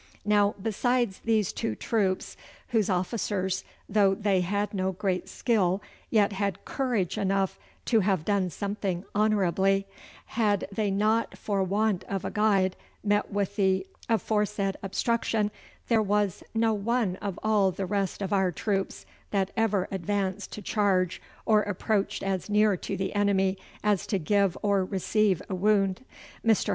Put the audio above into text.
'Now besides these two troops, whose officers though they had no great skill yet had courage enough to have done something honourably, had they not for want of a guide met with the aforesaid obstruction, there was no one of all the rest of our troops that ever advanced to charge or approached as near to the enemy as to give or receive a wound. Mr.